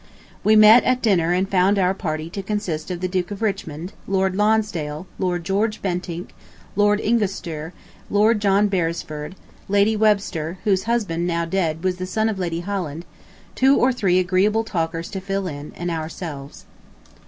We met at dinner and found our party to consist of the Duke of Richmond, Lord Lonsdale, Lord George Bentinck, Lord Ingestre, Lord John Beresford, Lady Webster, whose husband, now dead, was the son of Lady Holland, two or three agreeable talkers to fill in, and ourselves.